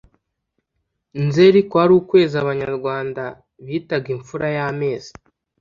Nzeri kwari ukwezi Abanyarwanda bitaga imfura y'amezi